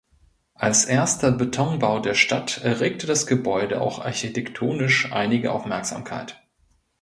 Als erster Betonbau der Stadt erregte das Gebäude auch architektonisch einige Aufmerksamkeit.